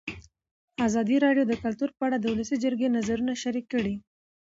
ازادي راډیو د کلتور په اړه د ولسي جرګې نظرونه شریک کړي.